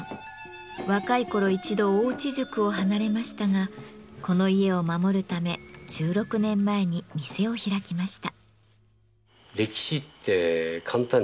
若い頃一度大内宿を離れましたがこの家を守るため１６年前に店を開きました。